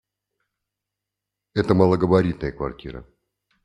Это малогабаритная квартира.